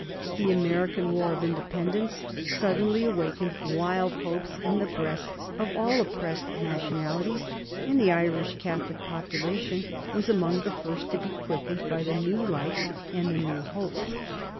The American War of Independence suddenly awakened wild hopes in the breasts of all oppressed nationalities, and the Irish Catholic population was among the first to be quickened by the new life and the new hope.